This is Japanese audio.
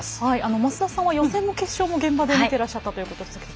増田さんは予選も決勝も現場で見てらっしゃったということでしたけど。